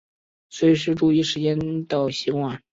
随时注意时间的习惯